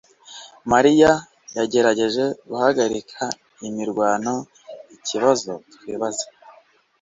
mariya yagerageje guhagarika imirwano ikibazo twibaza